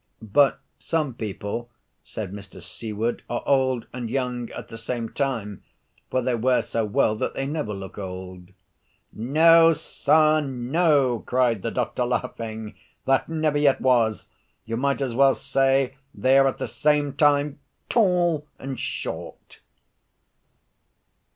"But some people," said Mr. Seward, "are old and young at the same time, for they wear so well that they never look old." "No, sir, no," cried the doctor, laughing; "that never yet was: you might as well say they are at the same time tall and short."